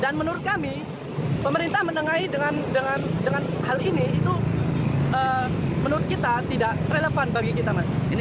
dan menurut kami pemerintah menengahi dengan hal ini itu menurut kita tidak relevan bagi kita